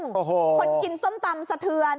คนกินส้มตำสะเทือน